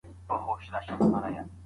که هغه مړ ږدن ډنډ ته نږدې وګڼي، غلطي کوي.